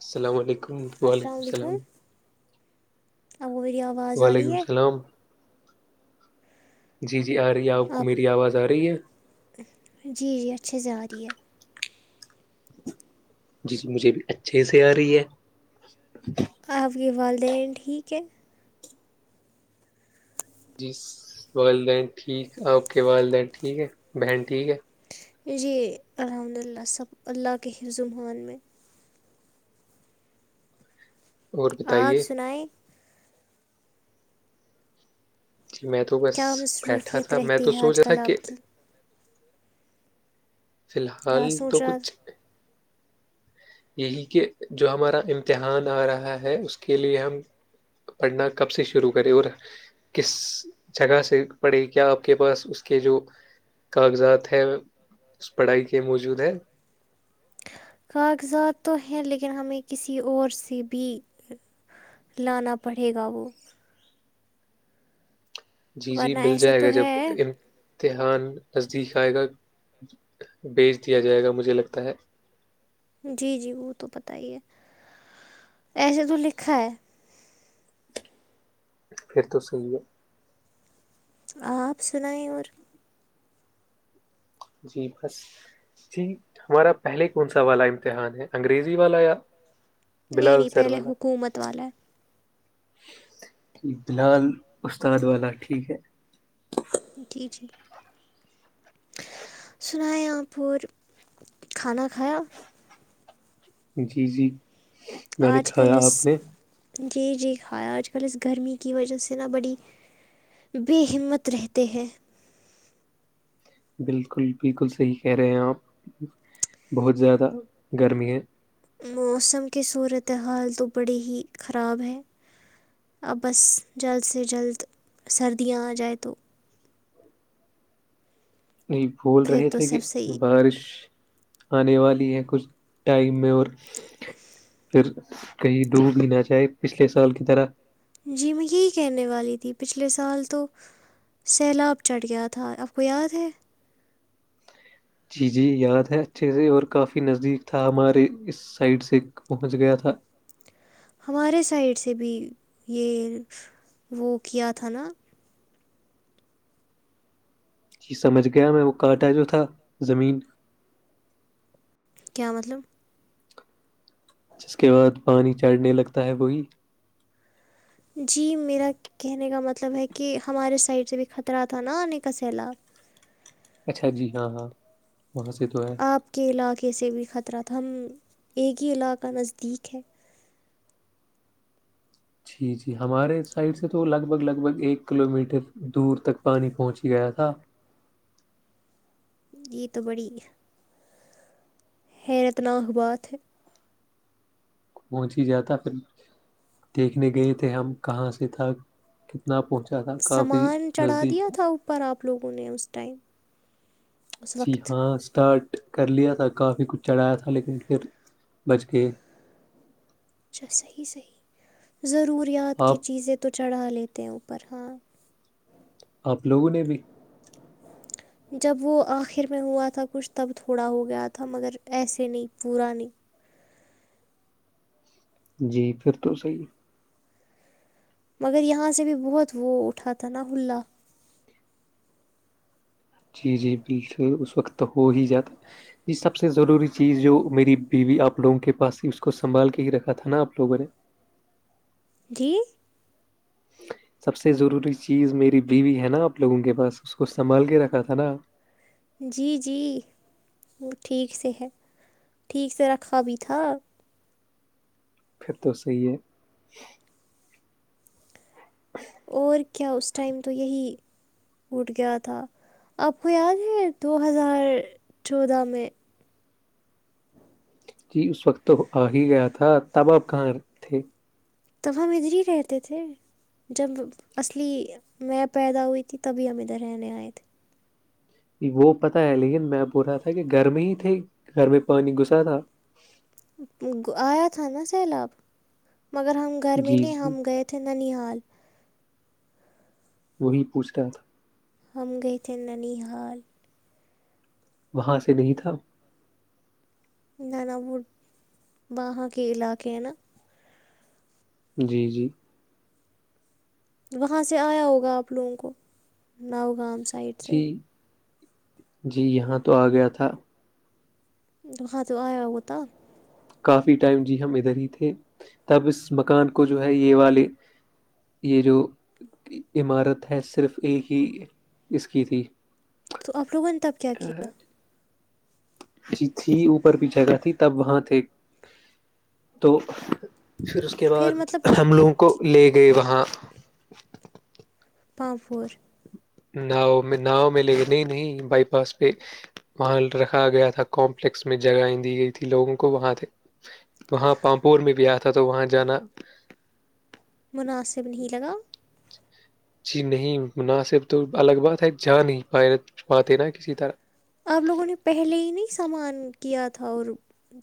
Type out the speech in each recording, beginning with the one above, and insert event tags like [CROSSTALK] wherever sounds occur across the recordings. السلام علیکم وعلیکم السلام [INAUDIBLE] وعلیکم ہے السلام جی- جی آ رہی ہے آپ کو میری آواز آ رہی ہے- جی- جی اچھے سے ا رہی ہے- جی- جی مجھے بھی اچھے سے آ رہی ہے- آپ کےے والدہین ٹھیک ہے? جی والدین ٹھیک آپ کے والدین ٹھیک ہے بہن ٹھیک ہے- جی الحمد للہ سب اللہ کے ہی زبان میں- اور اپ بتائیے سنائیں- میں تو بس کیا بیٹھا مصروفیت تھا میں رہتی تو ہے سوچ آج رہا تھا کل کہ- آپ کی فی الحال کیا تو سوچ رہا کچھ یہی کہ جو ہمارا امتحان آ رہا ہے اس کے لیے ہم پڑھنا کب سے شروع کرے اور کس جگہ سے پڑے کیا آپ کے پاس اس کے جو کاغذات ہے اس پڑھائی کے موجود ہے کاغذات تو ہیں لیکن ہمیں کسی اور سے بھی لانا پڑے گا وہ جی جی ورنہ مل ایسے جائے تو گا جب ہے امتحان نزدیک آئے گا بیچ دیا جائے گا مجھے لگتا ہے جی جی وہ تو پت ہی ہے ایسے تو لکھا ہے پھر تو صحیح ہے آپ سنیں اور جی بس جی ہمارا پہلے کون سا والا امتحان ہے انگریزی والا یا نہیں بلال نہیں سر پہلے والا حکومت والا ہے بلال استاد والا ٹھیک ہے جی جی [INAUDIBLE] سنایا پور کھانا کھایا جی جی میں نے آج کل کھایا اس آپ نے جی جی ہائے اج کل اس گھر میں کی وجہ سے نا بڑی بے ہمت رہتے ہیں بالکل بالکل صحیح کہہ رہے ہیں آپ بہت زیادہ گرمی ہے موسم کی صورت حال تو بڑی ہی خراب ہے اب بس جلد سے جلد سردیاں آ جائے تو یہ بول پھر رہے تو تھے کہ سب صحیح بارش آنے والی ہے کچھ ٹائم میں اور پھر کہیں ڈوب بھی نہ چاہے پچھلے سال کی طرح جی میں یہی کہنے والی تھی پچھلے سال تو سیلاب چڑھ گیا تھا آپ کو یاد ہے جی جی یاد ہے اچھے سے اور کافی نزدیک تھا ہمارے اس سائڈ سے پہنچ گیا تھا ہمارے سائڈ سے بھی یہ وہ کیا تھا نا جی سمجھ گیا میں وہ کانٹا جو تھا زمین کیا مطلب جس کے بعد پانی چڑھنے لگتا ہے وہی جی میرا کہنے کا مطلب ہے کہ ہمارے سائڈ سے بھی خطرہ تھا نا آنے کا سیلاب اچھا جی ہاں ہاں وہاں سے تو ہے آپ کے علاقے سے بھی خطرہ تھا ہم ایک ہی علاقہ نزدیک ہے جی جی ہمارے سائڈ سے تو لگ بھگ لگ بھگ ایک کلو میٹر دور تک پانی پہنچ ہی گیا تھا یہ تو بڑی حیرتناک بات ہے پہنچ ہی جاتا پھر دیکھنے گئے تھے ہم کہاں سے تھا کتنا پہنچا تھا کافی نزدیک تھا پر آپ لوگوں نے اس ٹائم اس جی وقت ہاں اسٹارٹ کر لیا تھا کافی کچھ چڑھایا تھا لیکن پھر بچ گئے اچھا صحیح صحیح ضروریات کی آپ چیزیں تو چڑھا لیتے ہیں اوپر ہاں آپ لوگوں نے بھی [INAUDIBLE] جب وہ آخر میں ہوا تھا کچھ تب تھوڑا ہو گیا تھا مگر ایسے نہیں پورا نہیں جی پھر تو صحیح مگر یہاں سے بھی بہت وہ اٹھا تھا نا ہلا جی جی بالکل اس وقت تو ہو ہی جاتا جی سب سے ضروری چیز جو میری بیوی آپ لوگوں کے پاس تھی اس کو سنبھال کے ہی رکھا تھا نا آپ لوگوں نے جی سب سے ضروری چیز میری بیوی ہے نا آپ لوگوں کے پاس اس کو سنبھال کے رکھا تھا نا جی جی وہ ٹھیک سے ہے ٹھیک سے رکھا بھی تھا پھر تو صی ہے اور کیا اس ٹائم تو یہی اٹوٹ گیا تھا آپ کو یاد ہے دو ہزار چودہ میں جی اس وقت تو آ ہی گیا تھا تب آپ کہاں تھے توب ہم ادھر ہی رہتے تھے [UNINTELLIGIBLE] جب اصلی میں پیدا ہوئی تھی تبھی ہم ادھر رہنے آئے تھے وہ پتاہ ہے لیکن میں بول رہا تھا کہ گھر میں ہی تھے گھر میں پانی گھسا تھا آیا تھا نا سیلاب مگر ہم گھر میں جی نہیں جی ہم گئے تھے ننال وہی پوچھ رہا تھا ہم گئے تھے ننیحال وہاں سے نہیں تھا نانا ب وہاں کے علاقے ہیں نا جی جی وہاں سے آیا ہوگا آپ لوگوں کو ناوگام سے جی جی یہاں تو آ گیا تھا وہاں تو آیا ہوتا کافی ٹائم جی ہم ادھر ہی تھے تب اس مکان کو جو ہے یہ والے یہ جو عمارت ہے صرف ایک ہی اس کی تھی تو آپ لوگوں نے تب کیا کیا ا تھی اوپر بھی جگہ تھی تب وہاں تھے تو پھر اس کے پھر بعد مطلب ہم لوگوں کو کہ لے گئے وہاں پانپور ناؤ میں ناؤ میں لے نہیں نہیں بائی پاس پہ وہاں رکھا گیا تھا کمپلیکس میں جگہیں دی گئی تھی لوگوں کو وہاں سے وہاں پامپور میں بھی آ تھا تو وہاں جانا مناسب نہیں لگا جی نہیں مناسب تو الگ بات ہے جا نہیں پائے پاتے نا کسی طرح آپ لوگوں نے پہلے ہی نہیں سامان کیا تھا اور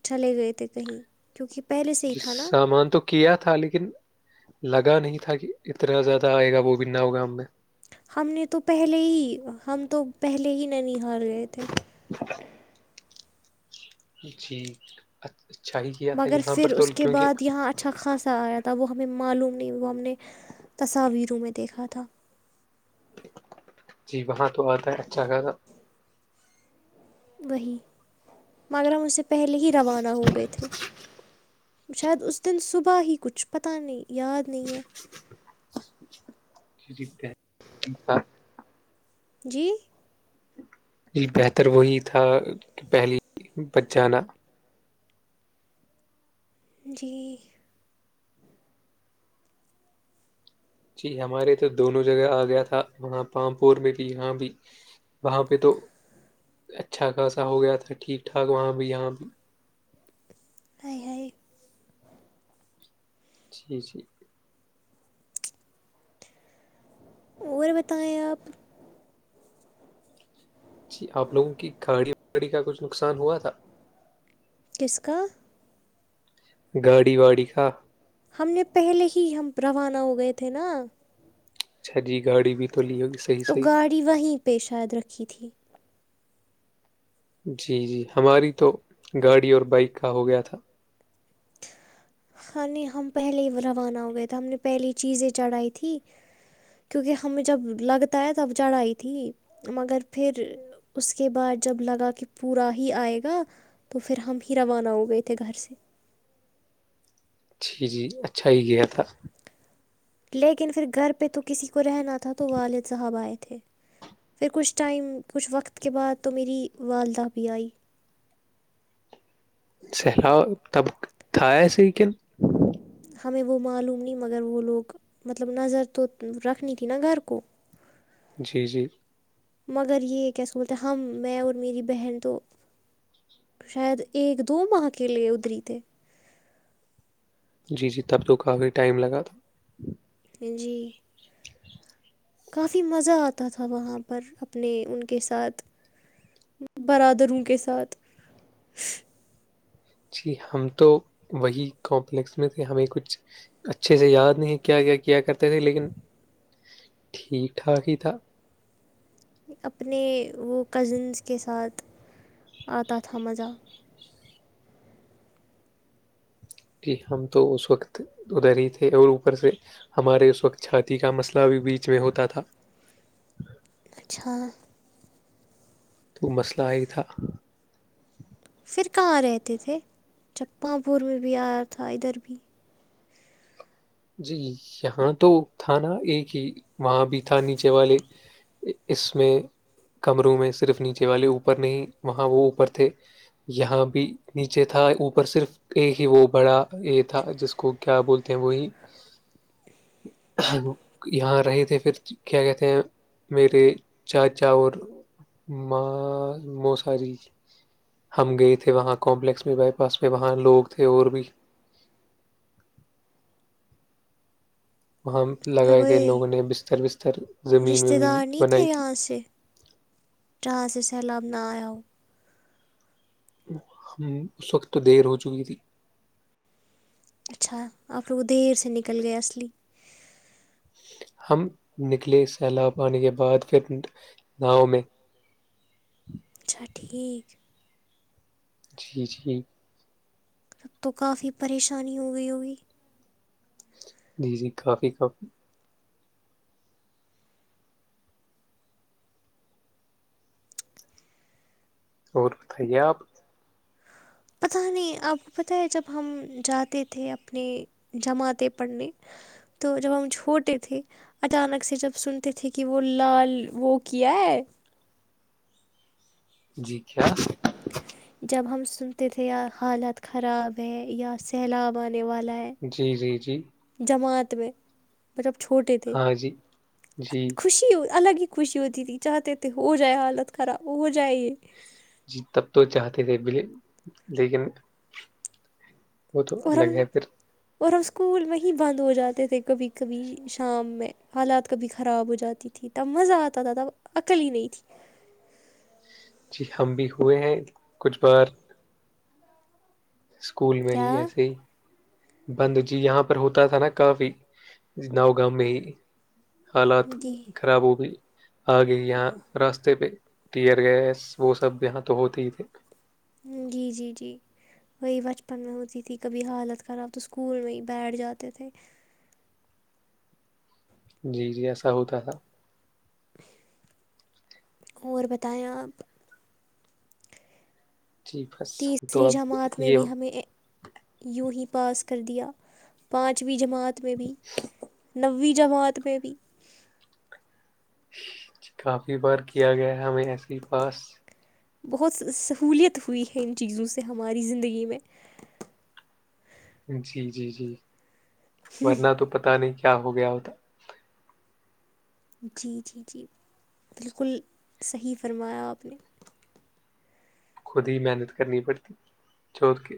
چلے گئے تھے کہیں کیونکہے سے ہی جس تھا نا سامان تو کیا تھا لیکن لگا نہیں تھا کہ اتنا زیادہ آئے گا وہ بھی ناؤ گام میں ہم نے تو پہلے ہی ہم تو پہلے ہی نہیںن ہار گئے تھے خبائی [UNINTELLIGIBLE] جی اچھا ہی کیا تھا مگر یہاں پر پھر تو اس کے کیونکہ بعد یہاں اچھا خاصا آیا تھا وہ ہمیں معلوم نہیں وہ ہم نے تصاویروں میں دیکھا تھا جی وہاں تو آتا ہے اچھا گ وہی مگر ہم اسے پہلے ہی روانہ ہو گئے تھے شاید اس دیں سبھا ہے کچھ پتہ نہیں یاد نہیں ہے [INAUDIBLE] جی ج بہتر وہی تھا کہ پہلی بچ جانا جی جی ہمارے تو دونوں جگہ آ گیا تھا وہاں پامپور میں بھی یہاں بھی وہاں پہ تو اچھا خاصا ہو گیا تھا ٹھیک ٹھاک وہاں بھی یہاں بھی [INAUDIBLE] جی جی اور بتائیں آپ جی آپ لوگوں کی گاڑی وڑی کا کچھ نقصان ہوا تھا کس کا گاڑی واڑی کا ہم نے پہلے ہی ہم روانہ ہو گئے تھے نا اچھا جی گاڑی بھی تو لی ہو تو گاڑی وہیں پیشید رکھی تھی جی جی ہماری تو گاڑی اور بائک کا ہو گیا تھا خ نہیں ہم پہلے ہی روانہ ہو گئے تھ تھا ہم نے پہلے چیزیں چڑھائی تھی کیونکہ ہمیں جب لگتا ہے تب جڑھ آئی تھی مگر پھر اس کے بعد جب لگا کہ پورا ہی آئے گا تو پھر ہم ہی روانہ ہو گئے تھے گھر سے جی جی اچھا ہی گیا تھا لیکن پھر گھر پہ تو کسی کو رہنا تھا تو والد صاحب آئے تھے پھر کچھ ٹائم کچھ وقت کے بعد تو میری والدہ بھی آئی سہلاؤ تب تھا ایسے ہییکن ہمیں وہ معلوم نہیں مگر وہ لوگ مطلب نظر تو رکھنی تھی نا گھر کو جی جی مگر یہ کیسے بولتے ہیں ہم میں اور میری بہن تو شاید ایک دو ماہ کیلے ادھرری تھ جی جی تب تو کافی ٹائم لگا تھا جی کافی مزہ آتا تھا وہاں پر اپنے ان کے ساتھ برادروں کے ساتھ جی ہم تو وہی کمپلیکس میں تھے ہمیں کچھ اچھے سے یاد نہیں ہے کیا کیا کیا کرتے تھے لیکن ٹھیک ٹھاک ہی تھا اپنے وہ کزنس کے ساتھ آتا تھا مزہ جی ہم تو اس وقت ادھر ہی تھے اور اوپر سے ہمارے اس وقت چھاتی کا مسئلہ بھی بیچ میں ہوتا تھا اچھاں تو مسئلہ ہی تھا پھر کہاں رہتے تھے چکپاں پور میں بھی آیا تھا ادھر بھی جی یہاں تو تھا نا ایک ہی وہاں بھی تھا نیچے والے اس میں کمروں میں صرف نیچے والے اوپر نہیں وہاں وہ اوپر تھے یہاں بھی نیچے تھا اوپر صرف ایک ہی وہ بڑا یہ تھا جس کو کیا بولتے ہیں وہی یہاں رہے تھے پھر کیا کہتے ہیں میرے چاچا اور م موساری ہم گئے تھے وہاں کمپلیکس میں بائی پاس میں وہاں لوگ تھے اور بھی وہاں لگائے تھے ان وہی لوگوں نے بستر بستر زمین رشتہ ومین دار نہیں تھے بنائی تھی یہاں سے جہاں سے سیلاب نہ آیا ہو ہم اس وقت تو دیر ہو چکی تھی اچھا آپ لوگوں دیر سے نکل گئے اصلی ہم نکلے سیلاب پانے کے بعد پھر ناؤ میں اچھا ٹھیک جی جی اب تو کافی پریشانی ہو گئی ہوگی جی جی کافی کافی اور بتائی آپ پتاہ نہیں آپ کو پتہ ہے جب ہم جاتے تھے اپنے جماعتیں پڑھنے تو جب ہم چھوٹے تھے اچانک سے جب سنتے تھے کہ وہ لال وہ کیا ہے جی کیا [INAUDIBLE] جب ہم سنتے تھے یا حالت خراب ہے یا سیلاب آنے والا ہے جی جی جی جماعت میں مطلب چھوٹے تھے ہاں جی جی خوشی الگ ہی خوشی ہوتی تھی چاہتے تھے ہو جائے حالت خراب ہو جائے یہ جی تب تو چاہتے تھے بل لیکن وہ تو اور ہم الگ ہے پھر اور ہم اسکول میں ہی بند ہو جاتے تھے کبھی کبھی شام میں حالات کبھی خراب ہو جاتی تھی تب مزہ آتا تھا تب عقلی ہی نہیں تھی جی ہم بھی ہوئے ہیں کچھ بار اسکول میں کیا ہی ایسے ہی بند جی یہاں پر ہوتا تھا نا کافی نو گاؤ میں ہی حالات جی خراب ہو گئی آ گئی یہاں راستے پہ ٹیر گیس وہ سب یہاں تو ہوتے ہی تھے جی جی جی وہی بچپن میں ہوتی تھی کبھی حالت خراب تو اسکول میں ہی بیٹھ جاتے تھے جی جی ایسا ہوتا تھا اور بتائیں آپ جی بس ہم تو تیسری اب جماعت میں یہ بھی ہمیں یوں ہی پاس کر دیا پانچویں جماعت میں بھی نویں جماعت میں بھی کافی بار کیا گیا ہے ہمیں ایسے ہی پاس بہت سہولیت ہوئی ہے ان چیزوں سے ہماری زندگی میں جی جی جی ورنہ تو پتا نہیں کیا ہو گیا ہوتا جی جی جی بالکل صحیح فرمایا آپ نے خود ہی محنت کرنی پڑتی چو کے